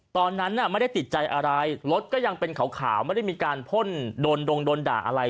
ตอนนั้นน่ะไม่ได้ติดใจอะไรรถก็ยังเป็นขาวไม่ได้มีการพ่นโดนดงโดนด่าอะไร